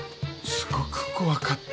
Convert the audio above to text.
すごく怖かった。